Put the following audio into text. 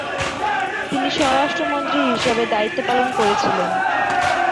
তিনি স্বরাষ্ট্রমন্ত্রী হিসেবে দায়িত্বপালন করেছিলেন।